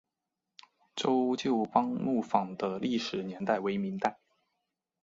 周旧邦木坊的历史年代为明代。